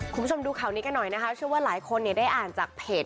คุณผู้ชมดูข่าวนี้กันหน่อยนะคะเชื่อว่าหลายคนเนี่ยได้อ่านจากเพจ